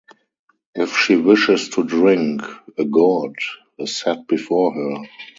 If she wishes to drink, a gourd is set before her.